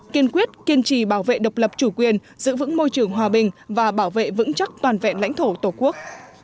kiên quyết kiên trì bảo vệ độc lập chủ quyền giữ vững môi trường hòa bình và bảo vệ vững chắc toàn vẹn lãnh thổ tổ quốc